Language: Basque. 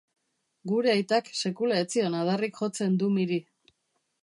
Gure aitak sekula ez zion adarrik jotzen Dummyri.